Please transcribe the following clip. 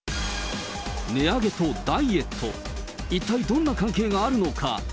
値上げとダイエット、一体どんな関係があるのか。